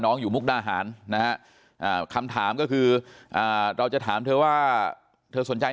อยู่มุกดาหารนะฮะคำถามก็คือเราจะถามเธอว่าเธอสนใจ